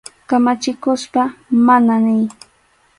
Kamachikuspa «mana» niy.